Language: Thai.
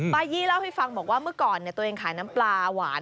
ป้ายี่เล่าให้ฟังบอกว่าเมื่อก่อนตัวเองขายน้ำปลาหวาน